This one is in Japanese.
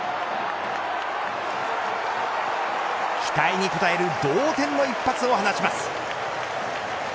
期待にこたえる同点の一発を放ちます。